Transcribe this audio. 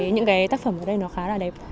những cái tác phẩm ở đây nó khá là đẹp